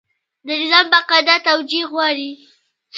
د نظام بقا دا توجیه غواړي.